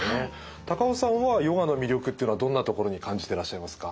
高尾さんはヨガの魅力っていうのはどんなところに感じてらっしゃいますか？